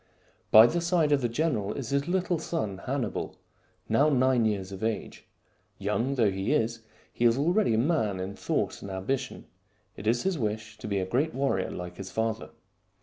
By the side of the general is his little son Hanni bal, now nine years of age. Young though he is, he is already a man in thought and ambition. It is his wish to be a great warrior like his father.